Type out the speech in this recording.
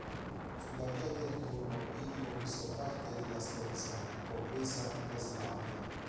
Sulla via del ritorno egli conquistò parte della Slesia, compresa Breslavia.